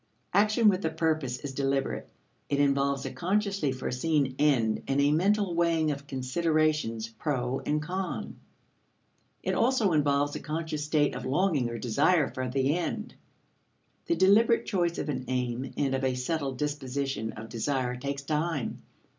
Action with a purpose is deliberate; it involves a consciously foreseen end and a mental weighing of considerations pro and eon. It also involves a conscious state of longing or desire for the end. The deliberate choice of an aim and of a settled disposition of desire takes time.